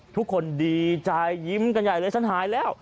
ทุกคนดีใจยิ้มกันใหญ่เลยฉันหายแล้ว